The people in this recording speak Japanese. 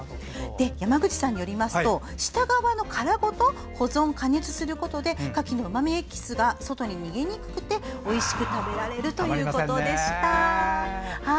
山口さんによりますと下側の殻ごと保存・加熱することでカキのうまみエキスが外に逃げなくて、おいしく食べられるということでした。